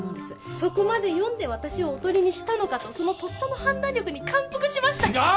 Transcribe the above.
そこまで読んで私を囮にしたのかとそのとっさの判断力に感服しました違う！